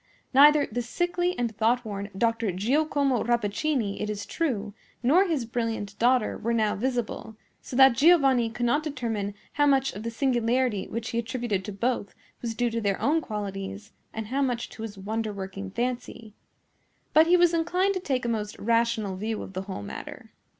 Neither the sickly and thoughtworn Dr. Giacomo Rappaccini, it is true, nor his brilliant daughter, were now visible; so that Giovanni could not determine how much of the singularity which he attributed to both was due to their own qualities and how much to his wonder working fancy; but he was inclined to take a most rational view of the whole matter.